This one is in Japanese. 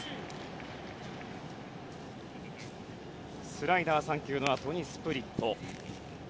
スライダー３球のあとにスプリット。